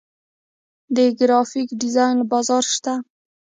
د ګرافیک ډیزاین بازار شته